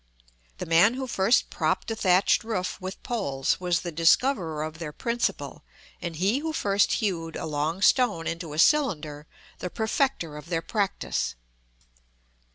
The man who first propped a thatched roof with poles was the discoverer of their principle; and he who first hewed a long stone into a cylinder, the perfecter of their practice.